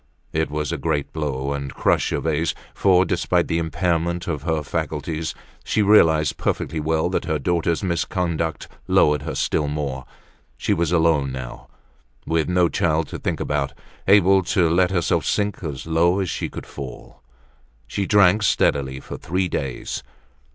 It was a great blow, and crushed Gervaise, for despite the impairment of her faculties, she realized perfectly well that her daughter's misconduct lowered her still more; she was alone now, with no child to think about, able to let herself sink as low as she could fall. She drank steadily for three days.